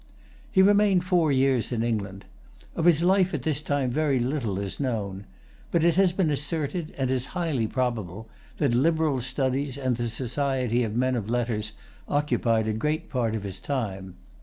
He remained four years in England. Of his life at this time very little is known. But it has been asserted, and is highly probable, that liberal studies and the society of men of letters occupied a great part of his time.